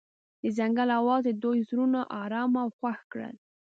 د ځنګل اواز د دوی زړونه ارامه او خوښ کړل.